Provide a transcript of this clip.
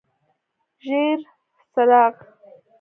ژیړ څراغ: